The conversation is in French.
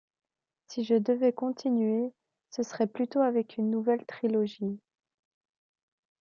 Si je devais continuer, ce serait plutôt avec une nouvelle trilogie.